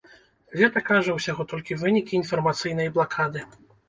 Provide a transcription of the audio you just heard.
Гэта, кажа, ўсяго толькі вынікі інфармацыйнай блакады.